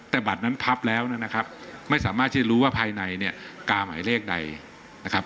แต่บัตรนั้นพับแล้วนะครับไม่สามารถที่จะรู้ว่าภายในเนี่ยกาหมายเลขใดนะครับ